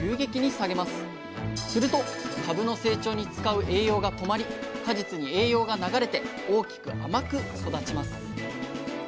すると株の成長に使う栄養が止まり果実に栄養が流れて大きく甘く育ちます。